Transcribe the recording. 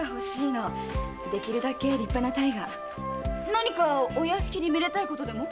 何かお屋敷にめでたいことでも？